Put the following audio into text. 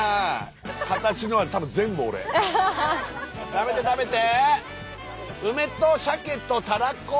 食べて食べて！